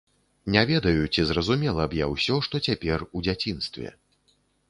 Не ведаю, ці зразумела б я ўсё, што цяпер, у дзяцінстве.